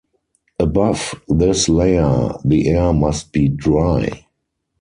Above this layer, the air must be dry.